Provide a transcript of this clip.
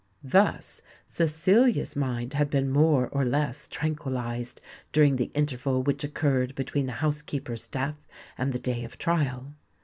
Thus Cecilia's mind had been more or less tranquillised during the interval which occurred between the housekeeper's death and the day of trial.